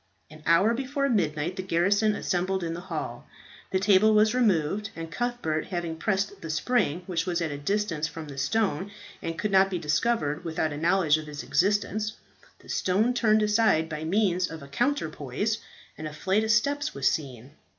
An hour before midnight the garrison assembled in the hall. The table was removed, and Cuthbert having pressed the spring, which was at a distance from the stone and could not be discovered without a knowledge of its existence, the stone turned aside by means of a counterpoise, and a flight of steps was seen.